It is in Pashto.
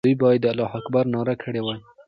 دوی باید د الله اکبر ناره کړې وای.